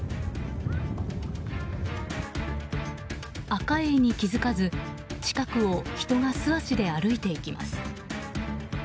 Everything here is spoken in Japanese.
アカエイに気づかず近くを人が素足で歩いていきます。